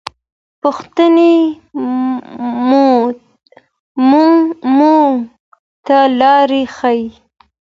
پوښتنې موږ ته لاره ښيي.